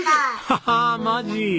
ハハッマジ？